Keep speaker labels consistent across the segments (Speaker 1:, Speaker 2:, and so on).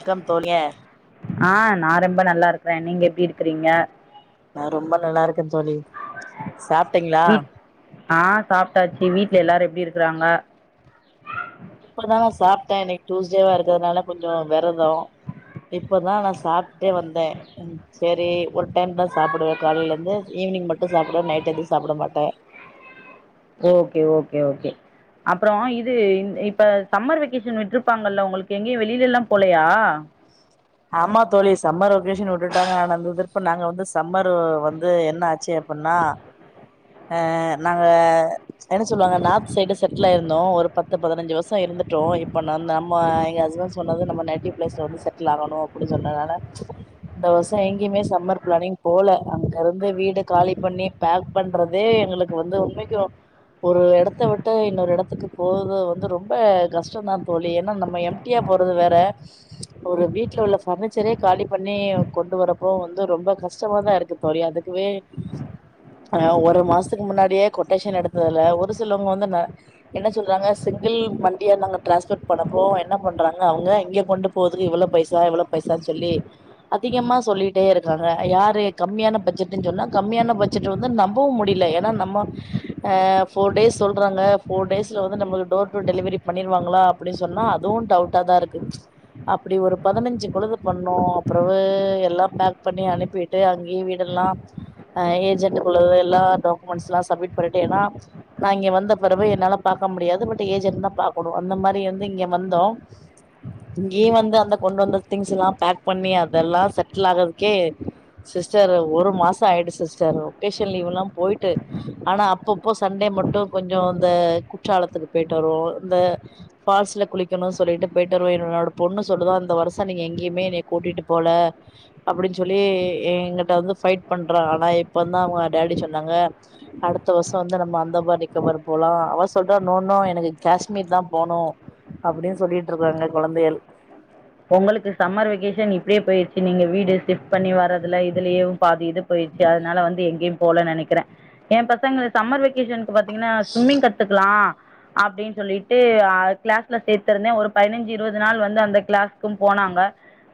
Speaker 1: வணக்கம் தோழியே
Speaker 2: ஆ நான் ரொம்ப நல்லா இருக்கறேன் நீங்க எப்படி இருக்கிறீங்க
Speaker 1: நா ரொம்ப நல்லா இருக்கேன் தோழி சாப்பிட்டீங்களா
Speaker 2: ஆஹ் சாப்பிட்டாச்சு வீடல எல்லாரும் எப்படி இருக்கறாங்க
Speaker 1: இப்பதான் நான் சாப்பிட்டேன் எனக்கு டூஸ்டேவா இருக்கிறதுனால கொஞ்சம் விரதம் இப்பதான் நான் சாப்பிட்டே வந்தேன் சரி இன் ஆடியபிள் ஒரு டைம் தா சாப்பிடுவே காலைலந்து ஈவ்னிங் மட் இப்ப சாப்பிடுவ நைட் எதுவு சாப்புட மாட்டே
Speaker 2: ஓகே ஓகே ஓகே அப்புறோ இது இப்ப சம்மர் வெகேஷன் விட்ருப்பாங்கல்ல உங்களுக்கு எங்கயு வெளிலல்லா போலையா
Speaker 1: ஆமா தோழி சம்மர் வெகேஷன் உட்டுட்டாங்க ஆனா அந்த திர்ப்பு நாங்க வந்து சம்மர் வந்து என்ன ஆச்சு அப்புன்னா ஆ நாங்க என்ன சொல்வாங்க நார்த் சைடு செட்டில் ஆயிருந்தோ ஒரு பத்து பதினஞ்சு வருஷ இருந்துட்டோ இப்ப நம்ம எங்க ஹஸ்பண்ட் சொன்னது நம்ம நட்டிவ் பிளேஸ்ல வந்து செட்டில் ஆகணு அப்புடி சொன்னதால இந்த வருஷ எங்கயுமே சம்மர் ப்ளானிங் போல அங்க இருந்து வீடு காலி பண்ணி பேக் பண்ற தே எங்களுக்கு வந்து உண்மைக்கு ஒரு எடத்த விட்டு இன்னொரு எடத்துக்கு போது வந்து ரொம்ப கஷ்டந்தா தோழி என்னா நம்ம எம்டியா போறது வேற ஒரு வீட்ல உள்ள பர்னிச்சரே காலி பண்ணி கொண்டு வரப்போ வந்து ரொம்ப கஷ்டமாதா இருக்கு தோழி அதுக்குவே அ ஒரு மாசத்துக்கு முன்னாடியே கொட்டேஷன் எடுத்ததுல ஒரு சிலவ்ங்க வந்து ன என்ன சொல்றாங்க ‌சிங்கிள் மண்டியா நாங்க ட்ரான்ஸ்ஃபர் பண்ணப்போ என்ன பண்றாங்க அவுங்க இங்க கொண்டு போதுக்கு இவ்ள பைசா இவ்ள பைசானு சொல்லி அதிகமா சொல்லிட்டே இருக்காங்க யாரு கம்மியான பஜ்ஜட்டுன் சொன்னா கம்மியான பட்ஜெட் வந்து நம்பவும் முடி யில்ல ஏனா நம்ம ஃபோர் டேஸ் சொல்றாங்க ஃபோர்டேஸ்ல வந்து நமள் டோர் டொ டெலிவரி பண்ணிருவாங்களா அப்புடி சொன்னா அதுவு டவுட்டா தா இருக்கு அப்டி ஒரு பதினஞ்சு குழுது பண்ணோ அப்புறவு எல்லா பேக் பண்ணி அனுப்பிட்டு அங்கய வீடெல்லா ஆ ஏஜென்ட் குழுவு எல்லா டாக்மன்ஸ்லா சப்மிட் பன்னிட்டு எனா நா இங்க வந்த பெறெவு என்னால பாக்க முடியாது பட் ஏஜன்ட் தா பாக்கனு அந்த மாரி வந்து இங்க வந்தோ இங்கயெ வந்து அந்த கொண்டு வந்த திங்ஸ்லா பேக்பண்ணி அதெல்லா செட்டில் ஆகதுக்கே சிஸ்டர் ஒரு மாச ஆயிடு சிஸ்டர் ஒக்கேஷன் லீவ்லா போயிட்டு ஆனா அப்பப்ப சண்டே மட்டு‌ கொஞ்சொ இந்த குற்றாலத்துக்கு போயிட்டு வருவோ இந்த ஃபால்ஸ்ல குளிக்கணு சொல்லிட்டு போயிட்டு வருவோ என்னோட பொண்ணு சொல்லுதா இந்த வருஷ நீங்க எங்கயுமே என்னய கூட்டிட்டு போல அப்டின் சொல்லி எங்கிட்ட வந்து ஃபைட் பண்றா ஆனா இப்பந்தா அவுங்க டாடி சொ ன்னாங்க அடுத்த வருஷ வந்து நம்ம அந்தமான் நிகோபார் போலா அவ சொல்றா நோ நோ எனக்கு காஷ்மீர் தா போனு அப்பிடின் சொல்லிட்ருக்காங்க கொழந்தைகள்
Speaker 2: உங்களுக்கு சம்மர் வெகேஷன் இப்டியே போயிருச்சு நீங்க வீடு ஷிஃப்ட் பண்ணி வர்றதுல இதுலயும் பாதி இது போயிற்ச்சு அதனால வந்து எங்கயும் போல நெனக்கிறே ஏ பசங்க சம்மர் வெகேஷன் இப்ப பாத்தீங்கனா ஸ்விம்மிங் கத்துக்லா அப்டின் சொல்லிட்டு அ க்ளாஸ்ல சேத்திருந்தே ஒரு பதினஞ்சு இருபது நாள் வந்து அந்த க்ளாஸ் கும் போனாங்க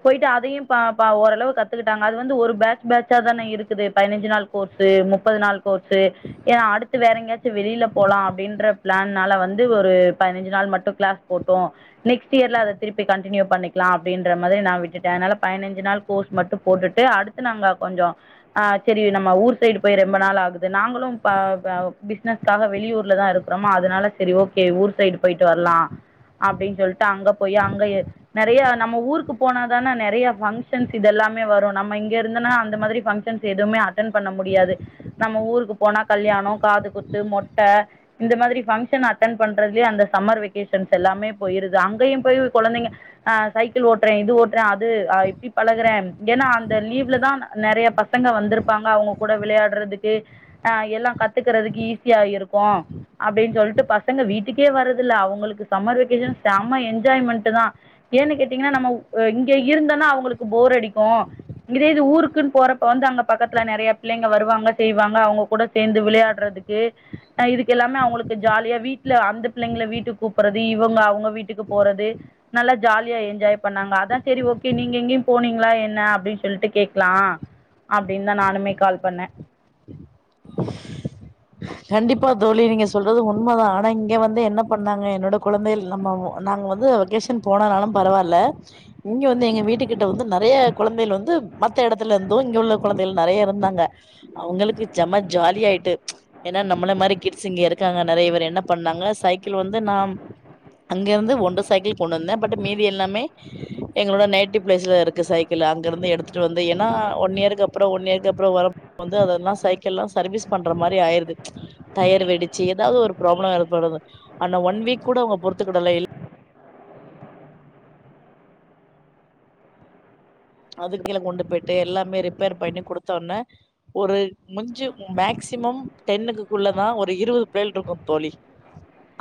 Speaker 2: போயிட்டு அதையும் ப ப ஓரளவு கத்துக்கிட்டாங்க அது வந்து ஒரு பேஜ் பேஜ்ஜா தானே இருக்குது பதினஞ்சு நாள் கோர்சு முப்பது நாள் கோர்சு ஏனா அடுத்து வேற எங்கயா ச்சு வெளில போலா அப்டின்ற ப்ளான்னால வந்து ஒரு பதினஞ்சு நாள் மட்டு க்ளாஸ் போட்டு நெக்ஸ்ட் இயர்ல அத திருப்பி கண்டினியூ பண்ணி க்லா அப்டின்ற மாதிரி நா விட்டுட்டே அதனால பதினஞ்சு நாள் கோர்ஸ் மட்டும் போட்டுட்டு அடுத்து நாங்க கொஞ்சொ ஆ செரி நம்ம ஊர் சைடு போய் ரொம்ப நாள் ஆகுது நாங்களும் ப அ பிசினஸ்காக வெளியூர்லதா இருக்குறோமோ அதனால செரி ஓகே ஊர் சைடு போயிட்டு வரலா அப்டின் சொல்ட்டு அங்க போய் அங்க நெறைய நம்ம ஊருக்கு போனாதானே நெறைய ஃபங்ஷன்ஸ் இதெல்லாமே வரு நம்ம இங்க இருந்தனா அந்த மாதிரி ஃபங்ஷன்ஸ் எதுவுமே அட் டன்பண்ண முடியாது நம்ம ஊருக்கு போனா கல்யாண காது குத்து மொட் ட இந்த மாதிரி ஃபங்ஷன் அட்டன் பண்றதுலயே அந்த சம்மர் வெகேஷன்ஸ் எல்லாமே போயிருது அங்கயும் போய் கொழந்தைங்க ஆ சைக்கிள் ஓட்றே இது ஓட் றே அது அ இப்டி பழகுறேன் ஏன்னா அந்த லீவ்லதா நெறைய பசங்க வந்திருப்பாங்க அவுங்க கூட விளையாடுறதுக்கு ஆ எல்லா கத்துக்குறதுக்கு ஈஸியா இருக்கு அப்டின் சொல்லிட்டு பசங்க வீட்டுக்கே வரதில்ல அவுங்களுக்கு சம்மர் வெக்கேஷன் செம என்ஜாய்மெண்ட்டு தா ஏன்னு கேட்டீங்கனா நம்ம இங்க இருந்தனா அவுங்களுக்கு போர் அடிக்கு இதே இது ஊருக்குன்னு போறப்ப வந்து அங்க பக்கத்துல நெறைய பிள்ளைங்க வருவாங்க செய்வாங்க அவுங்க கூட சேந்து விளையாடுறதுக்கு இதுக்கு எல்லாமே அவுங்களுக்கு ஜாலியா வீட்ல அந்த பிள்ளைங்கள வீட்டுக்கு கூப்புறது இவுங்க அவுங்க வீட்டுக்கு போறது நல்லா ஜாலியா என்ஜாய் பண்ணாங்க அதா செரி ஓகே நீங்க எங்கியு போனீங்களா என்ன அப்புடி சொல்லிட்டு கேக்லா அப்புடின் தா நானுமே கால் பண்ணே
Speaker 1: கண்டிப்பா தோழி நீங்க சொல்றது உண்மதா ஆனா இங்க வந்து என்ன பண்ணாங்க என்னோட குழந்தை நம்ம நாங்க வந்து வெகேஷன் போனானாலு பரவால்ல இங்க வந்து எங்க வீட்டுக்கு ட்ட வந்து நறைய குழந்தைகள் வந்து மத்த எடத்துல இருந்தொ இங்க உள்ள குழந்தைகள் நறைய இருந்தாங்க அவுங்களுக்கு செம ஜாலியாயிட்டு ஏன்னா நம்மள மாரி கிட்ஸ் இங்க இருக்காங்க நறைய பேர் என்ன பண்ணாங்க சைக்கிள் வந்து நா அங்கெருந்து ஒன்று சைக்கிள் கொண்டு வந்தே பட் மீதி எல்லாமே எங்களோட நேட்டிவ் ப்ளேஸ்ல இருக்கு சைக்கிள் அங்க இருந்து எடுத்துட்டு வந்து ஏன்னா ஒன் இயர்க்கு அப்றொ ஒன் இயர்க்கு அப்றொ வரப்ப வந்து அதெல்லா சைக்கிள்லா சர்வீஸ் பண்ற மாரி ஆயிரு து டயர் வெடிச்சி எதாவ்து ஒரு ப்ராப்ளம் ஏற்படுது ஆனா ஒன் வீக் கூட அவுங்க பொறுத்துக்கிடல இல் அது கீழ கொண்டு போயிட்டு எல்லாமே ரிப்பேர் பண்ணி குடுத்தோன்ன ஒரு முஞ்சு மேக்சிமம் டென்னுக்குக்குள்ளதா ஒரு இருவது பிளேல் இருக்கு தோழி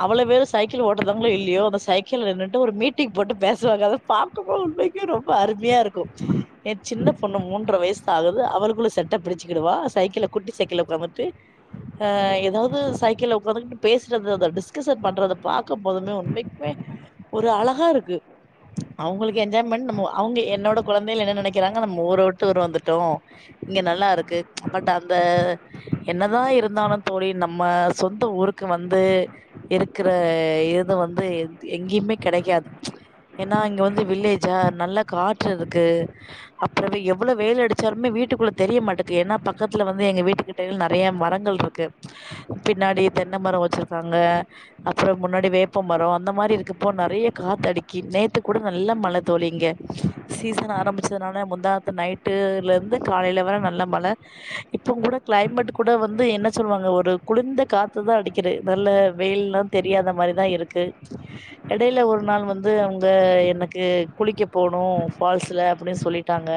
Speaker 1: அவ்வள பேரு சைக்கிள் ஓட்டுதாங்களோ இல்லையோ அந்த சைக்கிள்ல நின்னுட்டு ஒரு மீட்டிங் போட்டு பேசுவாங்க அத பாக்கும்போ உண்மைக்கு ரொம்ப அருமையா இருக்கு ஏ சின்ன பொண்ணு மூன்ற வயசுதா ஆகுது அவளுக்குள்ள செட்ட பிடிச்சுக்கிடுவா சைக்கிள குட்டி சைக்கிள உக்காந்துட்டு அ எதாவ்து சைக்கிள்ல உக்காந்துட்டு பேசுறது அத டிஸ்கஸன் பண்றத பாக்க போதுமே உண்மைக்குமே ஒரு அழகா இருக்கு அவுங்களுக்கு என்ஜாய்மன்ட் நம்ம அவுங்க என்னோட குழந்தைகள் என்ன நினைக்கிறாங்க நம்ம ஊர விட்டு ஊர் வந்துட்டோ இங்க நல்லா இருக்கு பட் அந்த என்னதா இருந்தாலு தோழி நம்ம சொந்த ஊருக்கு வந்து இருக்கிற இது வந்து எங்கேயுமே கெடைக்காது ஏன்னா இங்க வந்து வில்லேஜா நல்ல காற்றுரு க்கு அப்புற எவ்ள வெயில் அடிச்சாலுமே வீட்டுக்குள்ள தெரிய மாட்டெக்கு ஏன்னா பக்கத்துல வந்து எங்க வீட்டு கிட்டயில் நெறைய மரங்கள் இருக்கு பின்னாடி தென்ன மர வச்சிருக்காங்க அப்புற முன்னாடி வேப்ப மரொ அந்த மாரி இருக்கப்போ நெறைய காத்த அடிக்கி நேத்து கூட நல்ல மழ தோழி இங்க சீசன் ஆரம்பிச்சதுனால முந்தாநேத்து நைட்டுலெந்து காலைல வர நல்ல மழ இப்ப கூட க்ளைமேட் கூட வந்து என்ன சொல்வாங்க ஒரு குளிந்த காத்துதா அடிக்கிது நல்ல வெயில்லா தெரியாத மாரிதா இருக்கு எடைல ஒரு நாள் வந்து அவுங்க எனக்கு குளிக்க போணு ஃபால்ஸ்ல அப்பிடி சொல்லிட்டாங்க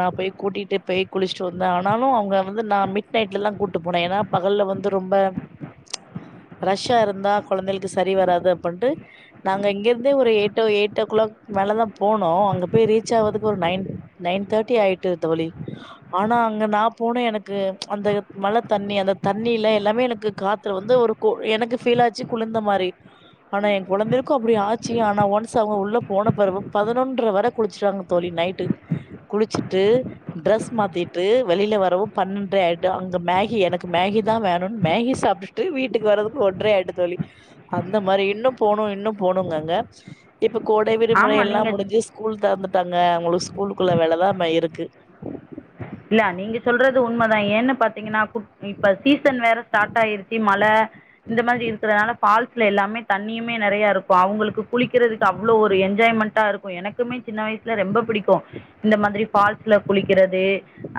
Speaker 1: நா போய் கூட்டிட்டு பய் குளிச்சுட்டு வந்தே ஆனாலு அவுங்க வந்து நா மிட் நைட்லலா கூட்டு போனெ ஏன்னா பகல்ல வந்து ரொம்ப ரஷ்ஷா இருந்தா குழந்தளுக்கு சரி வராது அப்புன்டு நாங்க இங்கிருந்தே ஒரு எயிட்டோ எயிட் ஓ க்ளாக் மேலதா போனோ அங்க போய் ரீச் ஆவதுக்கு ஒரு நைன் நைன் தேர்ட்டி ஆயிட்டு தோழி ஆனா அங்க நா போன எனக்கு அந்த மழ தண்ணி அந்த தண்ணில எல்லாமே எனக்கு காத்து வந்து ஒரு எனக்கு ஃபீல் ஆச்சு குளிந்த மாரி ஆனா என் குழந்தளுக்கு அப்புடி ஆச்சு ஆனா ஒன்ஸ் அவுங்க உள்ள போன பெறவு பதினொன்ற வர குளிச்சுட்டாங்க தோழி நைட்டு குளிச்சுட்டு ட்ரெஸ் மாத்திட்டு வெளில வரவு பன்னொண்ற ஆயிட்டு அங்க மேகி எனக்கு மேகி தா வேணுனு மேகி சாப்ட்டுட்டு வீட்டுக்கு வறதுக்கு ஒன்ற ஆயிட்டு தோழி அந்த மாரி இன்னு போணு இன்னு போனுங்கங்க இப் ப கோடைவிடுமுறை
Speaker 2: ஆமா
Speaker 1: எல்லா
Speaker 2: நீங்க
Speaker 1: முடிஞ்சு ஸ்கூல் தெறந்துட்டாங்க அவுங்களுக்கு ஸ்கூலுக்குள வேலதா ம இருக்கு
Speaker 2: இல்ல நீங்க சொல்றது உண்மைதா ஏன்னு பாத்தீங்கின்னா கு இப்ப சீசன் வேற ஸ்டார்ட் ஆயிருச்சு மழை இந்த மாதிரி இருக்கறனால ஃபால்ஸ்ல எல்லாமே தண்ணியுமே நறைய இருக்கு அவுங்களுக்கு குளிக்கிறதுக்கு அவ்ளவு ஒரு என்ஜாய்மெண்ட்டா இருக்கு எனக்குமே சின்ன வயசுல ரொம்ப பிடிக்கு இந்த மாதரி ஃபால்ஸ்ல குளிக்கிறது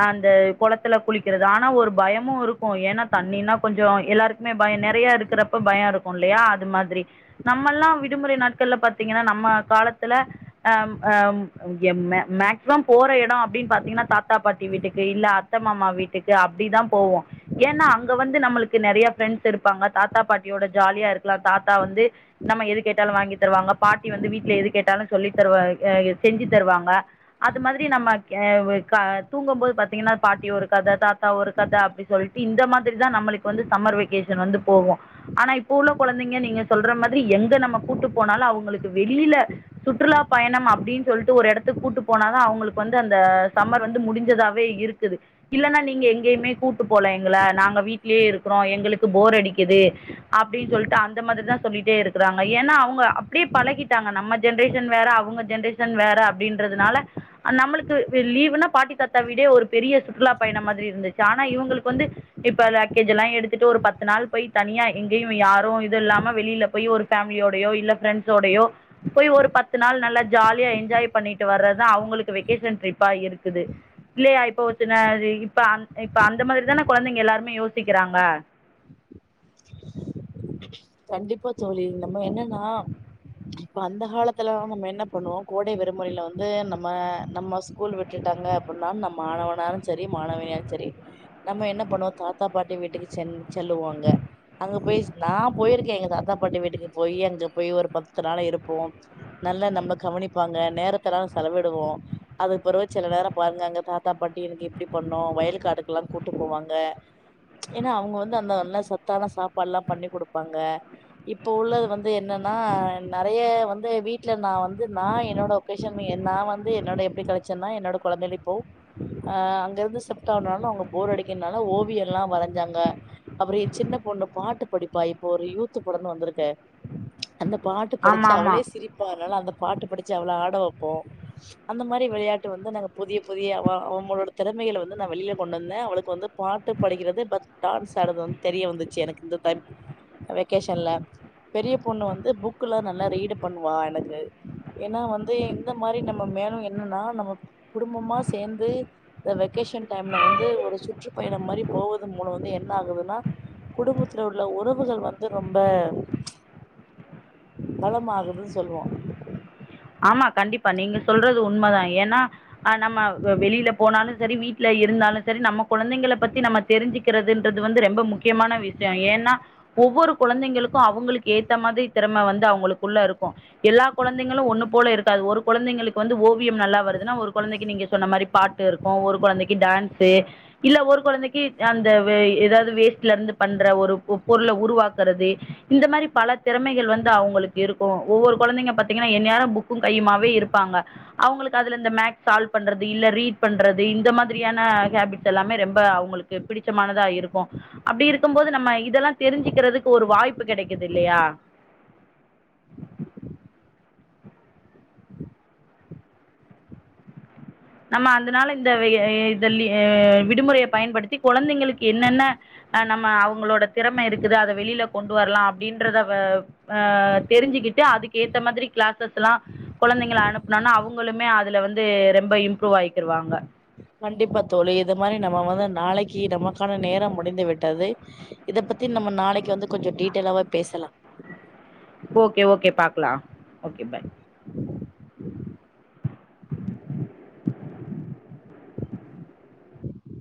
Speaker 2: அந்த குளத்துல குளிக்கிறது ஆனா ஒரு பயமு இருக்கு ஏன்னா தண்ணின்னா கொஞ்ச எல்லாருக்குமே பய நறைய இருக்கிறப்ப பய இருக்கு இல்லயா அது மாதிரி நம்மல்லா விடுமுறை நாட்கள்ல பாத்தீங்கின்னா நம்ம காலத்துல அஹ ஆஹ மேக்சிமம் போற இட அப்புடின்னு பாத்தீங்கன்னா தாத்தா பாட்டி வீட்டுக்கு இல்ல அத்தமாமா வீட்டுக்கு அப்புடிதா போவோ ஏன்னா அங்க வந்து நம்மளுக்கு நறைய பிரெண்ஸ் இருப்பாங்க தாத்தா பாட்டியோட ஜாலியா இருக்கலாம் தாத்தா வந்து நம்ம எது கேட்டாலு வாங்கி தருவாங்க பாட்டி வந்து வீட்டுல எது கேட்டாலு சொல்லி தருவ செஞ்சு தருவாங்க அது மாதிரி நம்ம தூங்கும்போது பாத்தீங்கன்னா பாட்டி ஒரு கத தாத்தா ஒரு கத அப்புடி சொல்லிட்டு இந்த மாதிரி தா நம்பளுக்கு வந்து சம்மர் வெகேஷ வந்து போவு ஆனா இப்போ உள்ள குழந்தைங்க நீங்க சொல்ற மாதிரி எங்க நம்ம கூட்டிட்டு போனாலு அவுங்களுக்கு வெளியில சுற்றுலா பயண அப்புடின்னு சொல்லிட்டு ஒரு இடத்துக்கு கூட்டு போனால தா அவுங்களுக்கு வந்து அந்த சம்மர் வந்து முடிஞ்ச இருந்ததாவே இருக்குது இல்லனா நீங்க எங்கேயுமே கூட்டு போல எங்கல நாங்க வீட்டிலே இருக்கிறோம் எங்களுக்கு போர் அடிக்குது அப்புடின் சொல்ட்டு அந்தமாதிரிதா சொல்லிட்டே இருக்குறாங்க ஏனா அவுங்க அப்புடே பழகிட்டாங்க நம்ம ஜென்ரேஷ வேற அவுங்க ஜென்ரேஷ வேற அப்புடின்றனால நம்ளுக்கு லீவுனா பாட்டி தாத் விட ஒரு பெரிய சுற்றுலா பயண மாதிரி இருந்துச்சு ஆனா இவுங்களுக்கு வந்து இப்ப பேக்கேஜ் எல்லா எடுத்துட்டு ஒரு பத்து நாள் போய் தனியா எங்கேயு யாரு இது இல்லாம வெளியில போய் ஒரு மிலியோடையோ இல்ல ஃப்ரெண்ட்ஸோடையோ போய் ஒரு பத்து நாள் நல்லா ஜாலியா என்ஜாய் பண்ணிட்டு வர்றதுதா அவுங்களுக்கு வெகேஷன ட்ரிப்பா இருக்குது இல்லயா இப்ப வச்சுனங்க இப்ப அ இப்ப அந்த மாதிரிதானே குழந்தைங்க எல்லாருமே யோசிக்கிறாங்க
Speaker 1: கண்டிப்பா தோலி நம்ம என்னன்னா இப்ப அந்த காலத்துல நம்ம என்ன பண்ணுவோ கோடை விடுமுறையில வந்து நம்ம நம்ம ஸ்கூல் விட்டுட்டாங்க அப்பிடின்னா நம்ம மாணவனாலு சரி மாணவனியாலு சரி நம்ம என்ன பண்ணுவோ தாத்தா பாட்டி வீட்டுக்கு செ செல்லுவாங்க அங்க போய் நாம் போயிருக்கே எங்க தாத்தா பாட்டி வீட்டுக்கு போய் அங்க போய் ஒரு பத்துனால இருப்போ நல்லா நம்ம கவனிப்பாங்க நேரத்துல செலவிடுவோம் அதுக்கு பிறகு சில நேர பாருங்க அங்க தாத்தா பாட்டி எனக்கு இப்படி பண்ணோ வயல் காட்டுக்குலா கூட்டு போவாங்க ஏன்னா அவுங்க வந்து அந்த நல்ல சத்தான சாப்பாடு எல்லா பண்ணி கொடுப்போ இப்ப உள்ளது வந்து என்னன்னா நறைய வந்து வீட்டுல நா வந்து ந என்னோட ஒகேஷ நா வந்து என்னோட எப்படி கடைச்சேன்னா என்னோட குழந்தல இப்போ ஆஹ அங்க இருந்து செப்டாலு அவுங்க போர் அடிக்கனாலு ஓவிய எல்லா வரஞ்சாங்க அப்புற சின்ன பொண்ணு பாட்டு படிப்பு ப்பா இப்போ ஒரு யூத்து படனு வந்திருக்கே அந்த பாட்டு
Speaker 2: ஆமாம்
Speaker 1: படிச்சா அவளே
Speaker 2: ஆமாம்
Speaker 1: சிரிப்பால் அதனால அந்த பாட்டு படிச்சு அவ்ள ஆட வப்போ அந்த மாரி விளையாட்டு வந்து நாங்க புதிய புதிய அவுங்களோட திறமைகள வந்து நா வெளியில கொண்டு வந்தே அவளுக்கு வந்து பாட்டு படிக்கிறது பட் டான்ஸ் ஆடுறது வந்து தெரிய வந்துச்சு எனக்கு இந்த த வெகேஷன்ல பெரிய பொண்ணு வந்து புக்லா நல்லா ரீடு பண்ணுவா எனக்கு ஏன்னா வந்து இந்த மாரி நம்ம மேலு என்னன்னா நம்ம குடும்பமா சேர்ந்து இந்த வெக்கேஷ டைம்ல வந்து ஒரு சுற்றுப்பயண மாரி போவத மூல வந்து என்ன ஆகுதுன்னா குடும்பத்துல உறவுக வந்து ரொம்ப பலமாகுதுன்னு சொல்லுவோம்
Speaker 2: ஆமா கண்டிப்பா நீங்க சொல்றது உண்மைதா ஏன்னா நம்ம வெளியில போனாலு சரி வீட்டுல இருந்தாலு சரி நம்ம நா குழந்தைகள பத்தி நம்ம தெரிஞ்சிக்க போ குழந்தகளுககென்றது என்று ரொம்ப முக்கியமான விஷய ஏன்னா ஒவ்வொரு குழந்தைகளுக்கு அவுங்களுக்கு ஏத்த மாரி திறமை வந்து அவுங்களுக்குள்ள இருக்கு எல்லா குழந்தைங்களு ஒன்னு போல இருக்காது ஒரு குழந்தைங்களுக்கு வந்து ஓவ நல்லா வருதுன்னா ஒரு குழந்தைக்கு நீங்க சொன்ன மாரி பாட்டு இருக்கு ஒரு குழந்தைக்கு டான்ஸ் இல்ல ஒரு குழந்தைக்கி அந்த ஏதாவது வேஸ்ட்ல இருந்து பண்ற ஒரு பொருள உருவா கரது இந்த மாரி பல தெறமைகள் வந்து அவங்களுக் இருக்கு ஒவ்வொரு கொழந்தைங்க பாத்தீங்கன்னா என்யாள புக் க்கு கையுமாவே இருப்பாங்க அவுங்களுக்கு அதுல இந்த மேக்ஸ் சால்வ் பண்றது இல்ல ரீட் பண்றது இந்த மாதிரியான ஹேபிட்ஸ்ல்லாமே ரொம்ப அவுங்களுக்கு பிடிச்சமானதா இருக்கு அப்டி இருக்குபோது நம்ம இதல்லா தெரிஞ்சுக்கிறதுக்கு ஒரு வாய்ப்பு கெடக்கிது இல்லயா நம்ம அந்தனால இந்த ய ந்த லீ விடுமுறய பயன்படுத்தி கொழந்தைங்களுக் என்னென்ன ஹ நம்ம அவுங்களோட தெறமை இருக்குது அத வெளியில கொண்டு வரலா அப்டின்றத வ ஆ தெரிஞ்சுக்கிட்டு அதுக்கேத்த மதிரி கிளாஸஸ்லா கொழந்தைங்கல அனுப்புனனா அவங்களுமே அதுல வந்து ரம்ப இம் ருவாய்க்குருவாங்க
Speaker 1: கண்டிப்பா தோழி இது மாரி நம வந்து நாளக்கி நம கான நேர முடிந்துவிட்டது இத பத்தி நம்ம நாளக்கு வந்து கொஞ்சம டீட்டெயலாவ பேசலா
Speaker 2: ஓகே ஓகே பாக்கலாம் ஓகே பய்